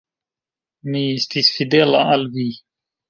Mi estis fidela al vi!..